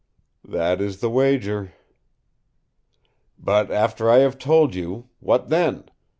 "That is the wager." "But after I have told you what then?